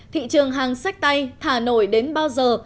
thị trường hàng sách tay hà nội đến bao giờ